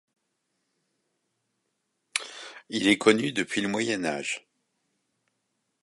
Il est connu depuis le Moyen Âge.